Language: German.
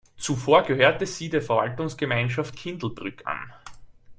Zuvor gehörte sie der Verwaltungsgemeinschaft Kindelbrück an.